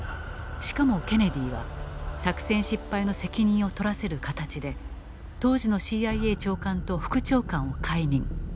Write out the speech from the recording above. しかもケネディは作戦失敗の責任を取らせる形で当時のＣＩＡ長官と副長官を解任。